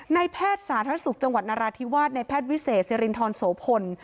แพทย์สาธารณสุขจังหวัดนราธิวาสในแพทย์วิเศษสิรินทรโสพล